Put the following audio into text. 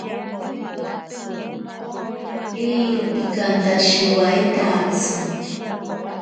Eiro pikantashiwaitatsi.